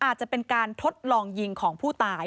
อาจจะเป็นการทดลองยิงของผู้ตาย